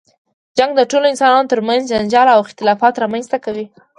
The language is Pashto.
جنګ د ټولو انسانانو تر منځ جنجال او اختلافات رامنځته کوي.